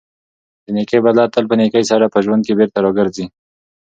د نېکۍ بدله تل په نېکۍ سره په ژوند کې بېرته راګرځي.